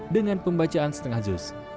dengan pembacaan setengah juz